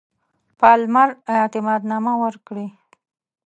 پالمر اعتماد نامه ورکړي.